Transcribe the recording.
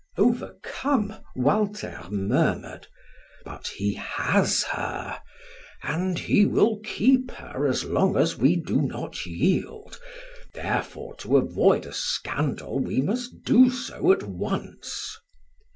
Overcome, Walter murmured: "But he has her. And he will keep her as long as we do not yield; therefore, to avoid a scandal we must do so at once."